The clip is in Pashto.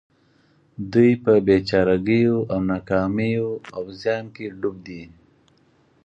دوی په بې چارګيو او ناکاميو او زيان کې ډوب دي.